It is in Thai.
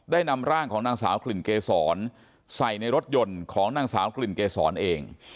นำร่างของนางสาวกลิ่นเกษรใส่ในรถยนต์ของนางสาวกลิ่นเกษรเอง